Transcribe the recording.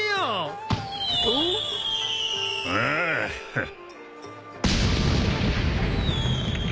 ああハッ。